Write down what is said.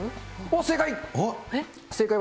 おっ、正解！